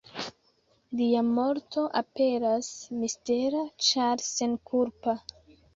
Lia morto aperas mistera ĉar senkulpa.